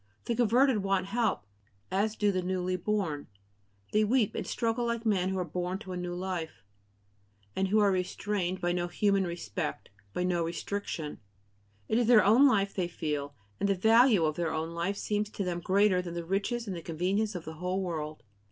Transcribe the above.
The converted want help, as do the newly born; they weep and struggle like men who are born to a new life, and who are restrained by no human respect, by no restriction. It is their own life they feel; and the value of their own life seems to them greater than the riches and convenience of the whole world.